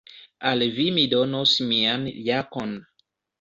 Al vi mi donos mian jakon.